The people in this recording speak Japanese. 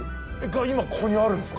が今ここにあるんですか？